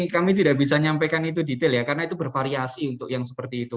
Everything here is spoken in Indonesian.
kami tidak bisa nyampaikan itu detail ya karena itu bervariasi untuk yang seperti itu